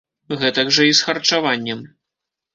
Гэтак жа і з харчаваннем.